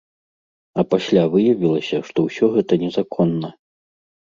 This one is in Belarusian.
А пасля выявілася, што ўсё гэта незаконна.